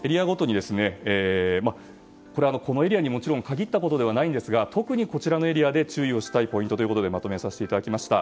このエリアにもちろん限ったことじゃないんですが特にこちらのエリアで注意したいポイントということでまとめさせていただきました。